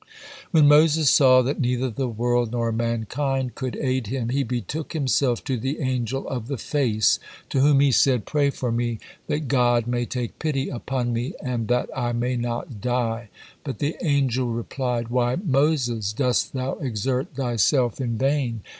When Moses saw that neither the world nor mankind could aid him, he betook himself to the Angel of the Face, to whom he said, "Pray for me, that God may take pity upon me, and that I may not die." But the angel replied: "Why, Moses, dost thou exert thyself in vain?